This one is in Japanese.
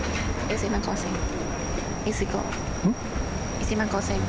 １万５０００円。